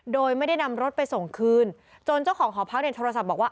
โดยไม่ได้นำรถไปส่งคืนจนเจ้าของหอพักเนี่ยโทรศัพท์บอกว่า